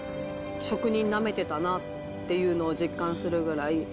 職人なめてたなっていうのを実感するぐらい。